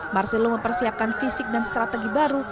marcelo mempersiapkan fisik dan strategi baru